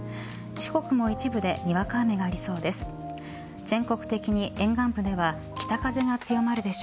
四国も一部でにわか雨がありそうです。